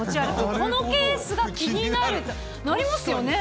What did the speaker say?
このケースが気になると、なりますよね。